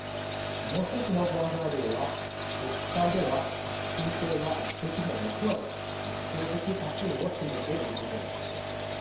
もう１つの不安材料は国会では革新系が議席の６割と圧倒的多数を占めていることです。